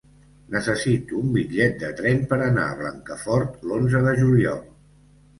Necessito un bitllet de tren per anar a Blancafort l'onze de juliol.